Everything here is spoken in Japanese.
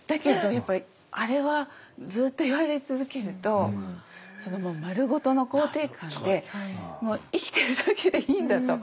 やっぱりあれはずっと言われ続けるとまるごとの肯定感で生きてるだけでいいんだと。